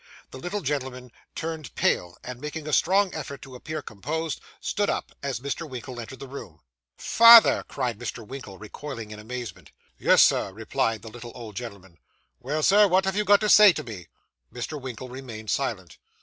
The little gentleman turned pale; and, making a strong effort to appear composed, stood up, as Mr. Winkle entered the room. 'Father!' cried Mr. Winkle, recoiling in amazement. 'Yes, sir,' replied the little old gentleman. 'Well, Sir, what have you got to say to me?' Mr. Winkle remained silent.